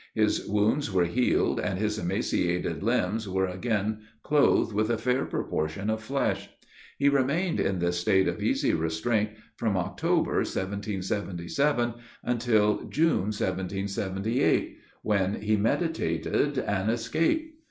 His wounds were healed, and his emaciated limbs were again clothed with a fair proportion of flesh. He remained in this state of easy restraint from October, 1777, until June, 1778, when he meditated an escape.